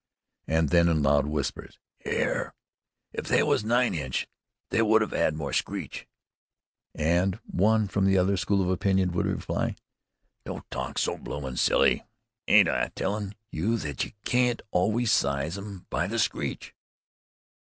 And then, in loud whispers: "'Ere! If they was nine inch, they would 'ave more screech." And one from the other school of opinion would reply: "Don't talk so bloomin' silly! Ain't I a tellin' you that you can't always size 'em by the screech?"